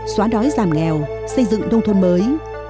xóa đói giảm nghèo xây dựng đông thôn mới